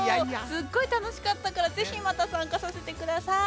すっごいたのしかったからぜひまたさんかさせてください。